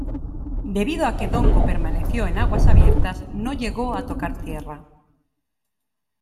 Debido a que Dongo permaneció en aguas abiertas, no llegó a tocar tierra.